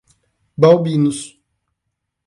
Balbinos